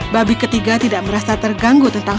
walaupun keduak saudaranya lebih cepat membangun rumahnya